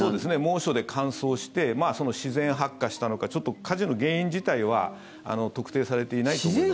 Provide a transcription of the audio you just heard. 猛暑で乾燥して自然発火したのかちょっと火事の原因自体は特定されていないんですが。